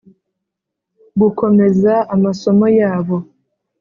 gukomeza amasomo ya bo